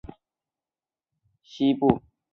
教区包括该国西北部赤道省东部和东方省西部。